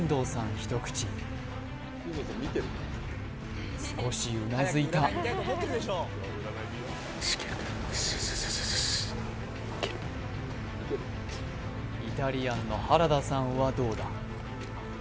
一口少しうなずいたイタリアンの原田さんはどうだ？